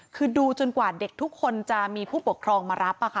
คือดูจนกว่าเด็กทุกคนจะมีผู้ปกครองมารับ